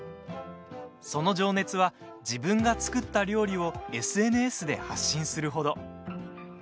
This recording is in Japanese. その情熱は自分が作った料理をＳＮＳで発信する程。